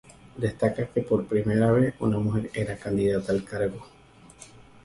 Destaca que por primera vez una mujer era candidata al cargo.